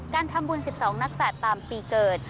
การทำบุญ๑๒นักศัตริย์ตามปีเกิด